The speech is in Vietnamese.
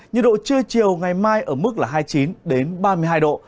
nhiệt độ chưa chiều ngày mai ở mức là hai mươi chín đến ba mươi hai độ